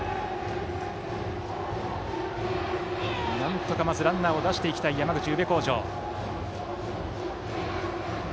なんとかまずランナーを出したい山口・宇部鴻城。